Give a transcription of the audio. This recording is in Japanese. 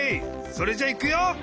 それじゃいくよ！